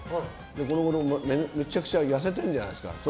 このごろ、めちゃくちゃ痩せたじゃないですか。